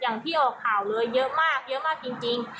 อย่างที่ออกข่าวเลยเยอะมากเยอะมากจริง